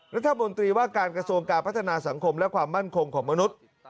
รัฐมนตรีว่าการกระทรวงการพัฒนาสังคมและความมั่นคงของมนุษย์